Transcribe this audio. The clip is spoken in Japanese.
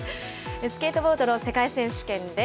スケートボードの世界選手権です。